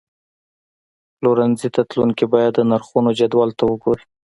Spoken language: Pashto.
پلورنځي ته تلونکي باید د نرخونو جدول ته وګوري.